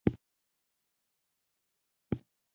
هغه يې هندي نوم واخيست چې مانا يې محمد و.